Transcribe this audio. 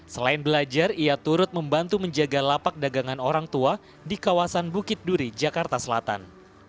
selain belajar ia turut membantu menjaga lapak dagangan orang tua di kawasan bukit duri jakarta selatan